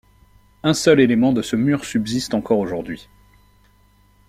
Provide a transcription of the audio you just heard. Un seul élément de ce mur subsiste encore aujourd'hui.